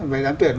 về giám tuyển